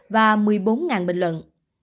và một mươi bốn bình luận